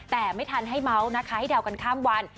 แต่ไม่ทันให้เมาส์นะคะให้เดากันข้ามวัน